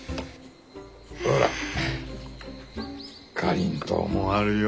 ほらかりんとうもあるよ。